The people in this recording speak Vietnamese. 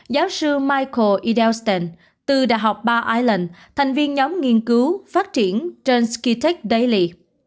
giáo sư michael edelstein từ đại học bar island thành viên nhóm nghiên cứu phát triển transkitech daily